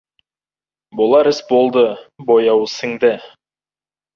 Болар іс болды, бояуы сіңді.